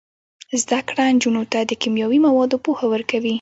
زده کړه نجونو ته د کیمیاوي موادو پوهه ورکوي.